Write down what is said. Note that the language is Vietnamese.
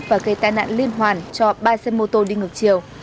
và gây tai nạn liên hoàn cho ba xe mô tô đi ngược chiều